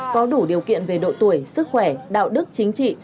có đủ điều kiện về độ tuổi sức khỏe đạo đức chính trị